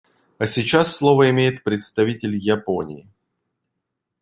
А сейчас слово имеет представитель Японии.